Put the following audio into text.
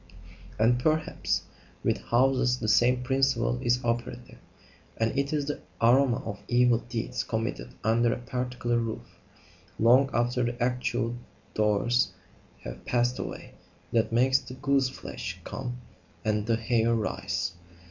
And, perhaps, with houses the same principle is operative, and it is the aroma of evil deeds committed under a particular roof, long after the actual doers have passed away, that makes the gooseflesh come and the hair rise.